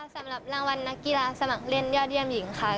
สำหรับรางวัลนักกีฬาสมัครเล่นยอดเยี่ยมหญิงค่ะ